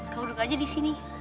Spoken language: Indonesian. kau duduk aja di sini